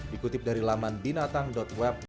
dikutip dari laman binatang web